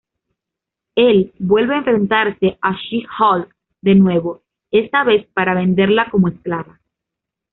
Él vuelve a enfrentarse a She-Hulk de nuevo, esta vez para venderla como esclava.